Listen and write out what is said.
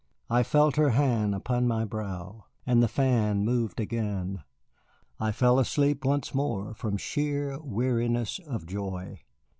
I felt her hand upon my brow, and the fan moved again. I fell asleep once more from sheer weariness of joy.